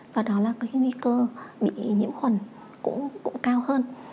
và đó là cái nguy cơ bị nhiễm khuẩn cũng cao hơn